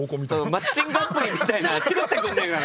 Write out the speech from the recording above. マッチングアプリみたいなの作ってくんねえかな。